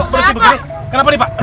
berarti berani kenapa nih pak